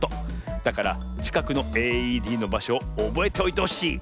だからちかくのＡＥＤのばしょをおぼえておいてほしい。